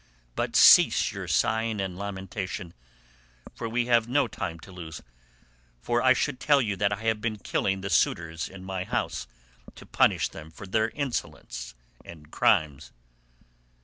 But cease your sighing and lamentation—we have no time to lose, for I should tell you that I have been killing the suitors in my house, to punish them for their insolence and crimes."